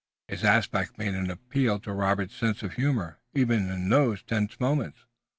His aspect made an appeal to Robert's sense of humor, even in those tense moments.